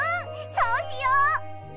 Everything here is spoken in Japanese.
そうしよう！